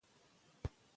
خپله ډوډۍ خپله وګټئ.